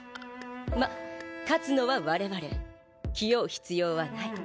まっ勝つのは我々気負う必要はない。